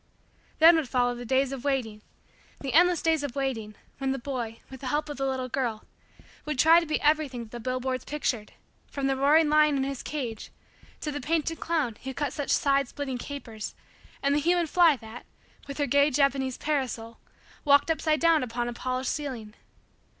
Then would follow the days of waiting the endless days of waiting when the boy, with the help of the little girl, would try to be everything that the billboards pictured, from the roaring lion in his cage to the painted clown who cut such side splitting capers and the human fly that, with her gay Japanese parasol, walked upside down upon a polished ceiling.